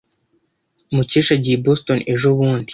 Mukesha agiye i Boston ejobundi.